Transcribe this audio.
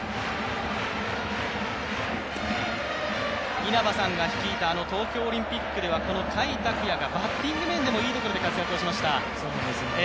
稲葉さんが率いた東京オリンピックでは甲斐拓也がバッティング面でもいい活躍をしました。